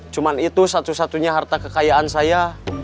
cuma itu satu satunya harta kekayaan saya